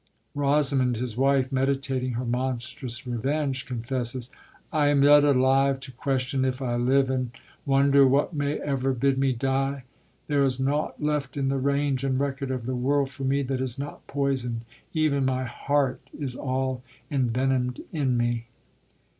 Rosamund, his wife, meditating her monstrous revenge, confesses: I am yet alive to question if I live And wonder what may ever bid me die. ... There is nought Left in the range and record of the world For me that is not poisoned: even my heart Is all envenomed in me.